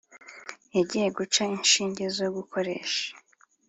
Yagiye guca inshinge zo gukoresha